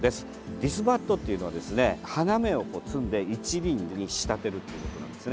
ディスバッドというのは花芽を摘んで一輪に仕立てるということなんですね。